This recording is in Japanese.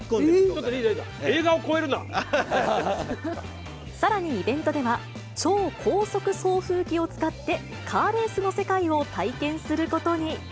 ちょっと、リーダー、リーダさらにイベントでは、超高速送風機を使って、カーレースの世界を体験することに。